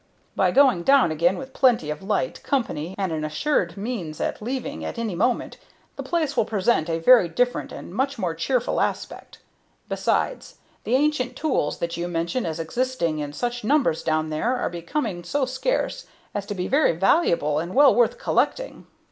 "By going down again with plenty of light, company, and an assured means at leaving at any moment, the place will present a very different and much more cheerful aspect. Besides, the ancient tools that you mention as existing in such numbers down there are becoming so scarce as to be very valuable and well worth collecting.